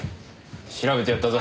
調べてやったぞ。